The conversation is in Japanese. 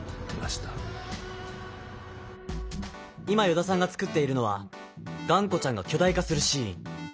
今依田さんが作っているのはがんこちゃんが巨大化するシーン。